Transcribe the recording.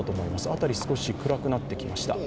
辺り少し暗くなってきました。